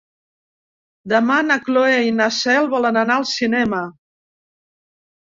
Demà na Cloè i na Cel volen anar al cinema.